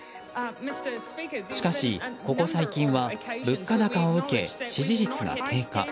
しかし、ここ最近は物価高を受け支持率が低下。